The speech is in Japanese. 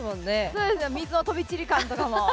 そうです水の飛び散り感とかも。